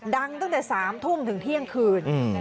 ตั้งแต่๓ทุ่มถึงเที่ยงคืน